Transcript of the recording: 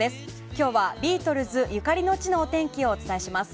今日はビートルズゆかりの地のお天気をお伝えします。